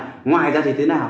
chúng tôi căn cứ vào cái gì